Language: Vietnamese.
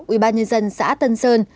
ủy ban nhân dân xã tân sơn